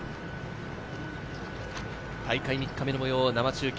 大会３日目の模様を生中継。